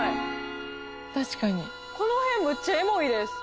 この辺むっちゃエモいです。